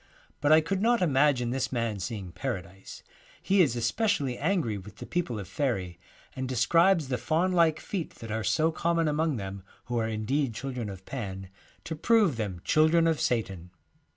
But I could not imagine this man seeing Paradise. He is especially angry with the people of faery, and describes the faun like feet that are so common among them, who are indeed children of Pan, to prove them children of Satan.